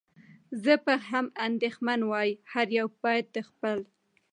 زه به هم اندېښمن وای، هر یو باید د خپل.